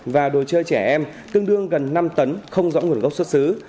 và đồ chơi trẻ em tương đương gần năm tấn không rõ nguồn gốc xuất xứ